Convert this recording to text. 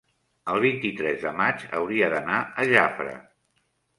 el vint-i-tres de maig hauria d'anar a Jafre.